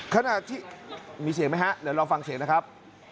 ขณะที่มีเสียงไหมฮะเดี๋ยวลองฟังเสียงนะครับ